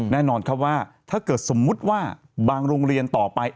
แน่นอนครับว่าถ้าเกิดสมมุติว่าบางโรงเรียนต่อไป